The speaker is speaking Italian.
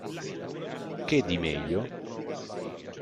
Che di meglio?